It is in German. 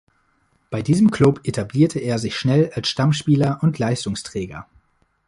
Bei diesem Klub etablierte er sich schnell als Stammspieler und Leistungsträger.